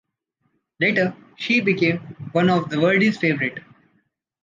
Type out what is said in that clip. Later, she became one of Verdi’s favorites.